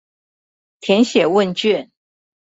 填寫問卷